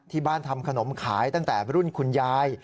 ที่บ้านทำขนมขายตั้งแต่รุ่นคุณยาย